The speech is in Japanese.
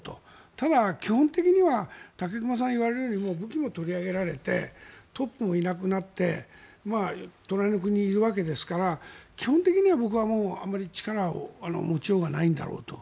ただ、基本的には武隈さんが言われるように武器も取り上げられてトップもいなくなって隣の国にいるわけですから基本的には僕はあまり力を持ちようがないんだろうと。